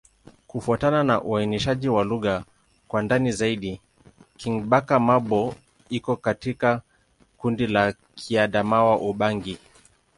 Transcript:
Kufuatana na uainishaji wa lugha kwa ndani zaidi, Kingbaka-Ma'bo iko katika kundi la Kiadamawa-Ubangi.